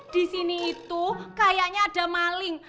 disini itu kayaknya ada maling